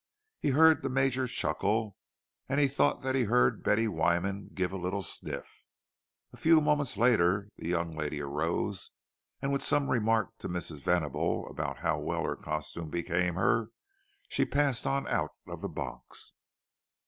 He heard the Major chuckle, and he thought that he heard Betty Wyman give a little sniff. A few moments later the young lady arose, and with some remark to Mrs. Venable about how well her costume became her, she passed on out of the box.